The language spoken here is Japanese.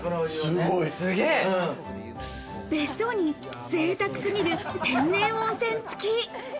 別荘にぜいたくすぎる天然温泉付き。